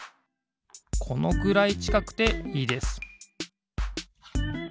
このくらいちかくていいです